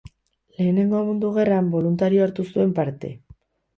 Lehenengo Mundu Gerran boluntario hartu zuen parte.